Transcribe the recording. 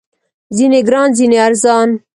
ځینې ګران، ځینې ارزان